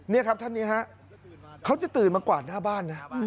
นี่ครับท่านนี้ฮะเขาจะตื่นมากวาดหน้าบ้านนะ